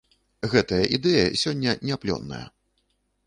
Гэтая ідэя сёння не плённая.